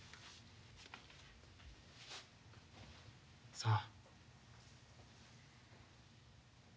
さあ。